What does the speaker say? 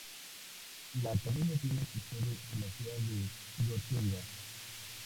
La academia tiene su sede en la ciudad de Gotinga.